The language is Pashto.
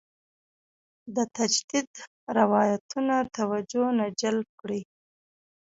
د تجدید روایتونه توجه نه جلب کړې.